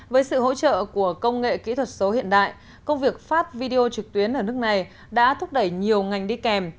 với sự hỗ trợ của công nghệ kỹ thuật số hiện đại công việc phát video trực tuyến ở nước này đã thúc đẩy nhiều ngành đi kèm